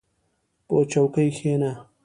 • په چوکۍ کښېنه.